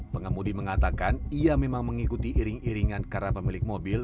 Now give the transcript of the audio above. pengemudi mengatakan ia memang mengikuti iring iringan karena pemilik mobil